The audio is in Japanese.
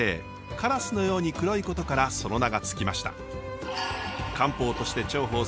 カラスのように黒いことからその名が付きました。